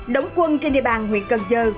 đống quân trên địa bàn huyện cần giơ